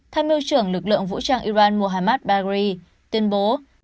tham mưu trưởng lực lượng vũ trang iran mohammad bari tuyên bố